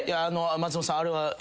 松本さんあれは。